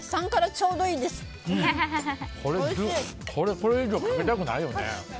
これ以上かけたくないよね。